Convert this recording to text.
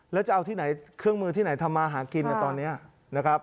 แล้วจะเอาที่ไหนเครื่องมือที่ไหนทำมาหากินตอนนี้นะครับ